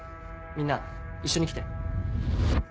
みんな一緒に来て。